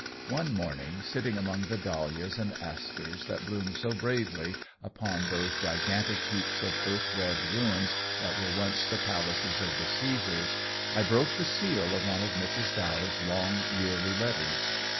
One morning, sitting among the dahlias and asters that bloom so bravely upon those gigantic heaps of earth red ruins that were once the palaces of the Cæsars, I broke the seal of one of Mrs. Dow's long yearly letters.